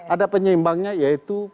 ada penyeimbangnya yaitu